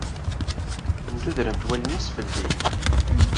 Ndudrent wallen-is fell-i.